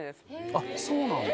あっそうなんだ。